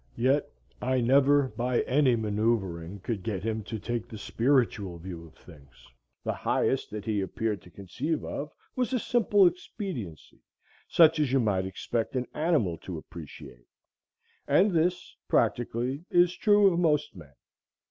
Yet I never, by any manœuvring, could get him to take the spiritual view of things; the highest that he appeared to conceive of was a simple expediency, such as you might expect an animal to appreciate; and this, practically, is true of most men.